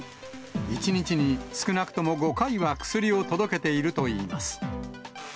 １日に少なくとも５回は薬を届けているといいます。